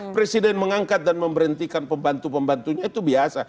presiden mengangkat dan memberhentikan pembantu pembantunya itu biasa